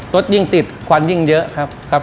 รถยิ่งติดควันยิ่งเยอะครับ